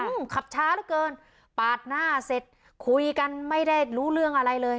อืมขับช้าเหลือเกินปาดหน้าเสร็จคุยกันไม่ได้รู้เรื่องอะไรเลย